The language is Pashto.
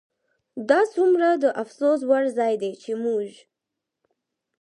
دا څومره د افسوس وړ ځای دی چې موږ